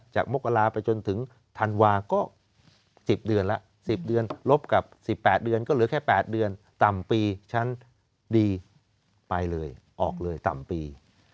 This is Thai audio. มกราไปจนถึงธันวาก็๑๐เดือนแล้ว๑๐เดือนลบกับ๑๘เดือนก็เหลือแค่๘เดือนต่ำปีชั้นดีไปเลยออกเลยต่ำปี